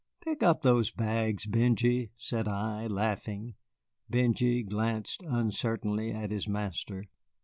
"Pick up those bags, Benjy," said I, laughing. Benjy glanced uncertainly at his master.